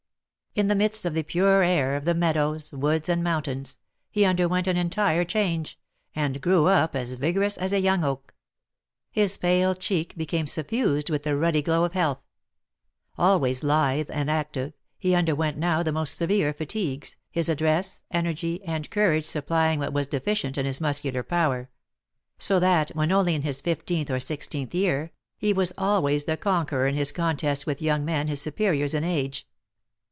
In the midst of the pure air of the meadows, woods, and mountains, he underwent an entire change, and grew up as vigorous as a young oak; his pale cheek became suffused with the ruddy glow of health; always lithe and active, he underwent now the most severe fatigues, his address, energy, and courage supplying what was deficient in his muscular power; so that, when only in his fifteenth or sixteenth year, he was always the conqueror in his contests with young men his superiors in age.